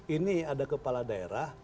ini ada kepala daerah